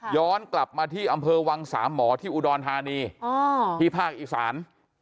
ย้อนกลับมาที่อำเภอวังสามหมอที่อุดรธานีที่ภาคอีสาน